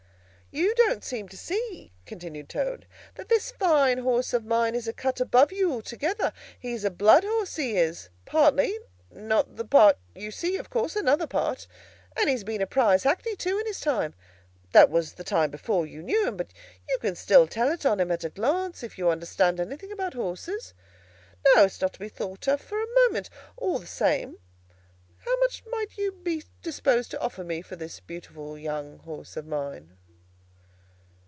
"You don't seem to see," continued Toad, "that this fine horse of mine is a cut above you altogether. He's a blood horse, he is, partly; not the part you see, of course—another part. And he's been a Prize Hackney, too, in his time—that was the time before you knew him, but you can still tell it on him at a glance, if you understand anything about horses. No, it's not to be thought of for a moment. All the same, how much might you be disposed to offer me for this beautiful young horse of mine?"